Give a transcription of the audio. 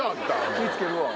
気ぃ付けるわ。